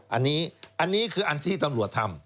อันนี้คืออันที่ตำรวจทำ